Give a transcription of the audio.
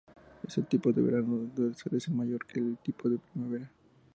El tipo de verano suele ser mayor que el tipo de primavera.